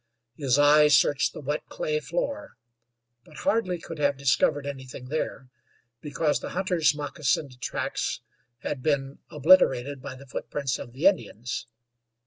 His eye searched the wet clay floor, but hardly could have discovered anything there, because the hunter's moccasined tracks had been obliterated by the footprints of the Indians.